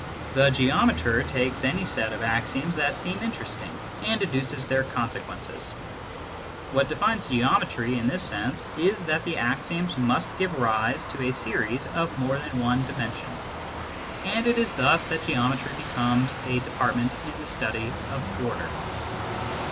The geometer takes any set of axioms that seem interesting, and deduces their consequences. What defines Geometry, in this sense, is that the axioms must give rise to a series of more than one dimension . And it is thus that Geometry becomes a department in the study of order.